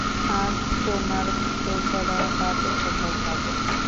আর তোমার বেচারা বাপের কথা ভাবো।